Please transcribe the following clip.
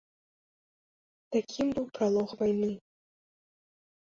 Такім быў пралог вайны.